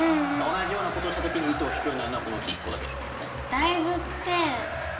同じようなことをした時に糸を引くようになるのはこのうち一個だけってことですね。